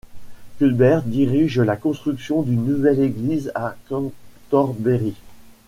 Cuthbert dirige la construction d'une nouvelle église à Cantorbéry.